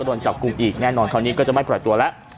โดนจับกลุ่มอีกแน่นอนคราวนี้ก็จะไม่ปล่อยตัวแล้ว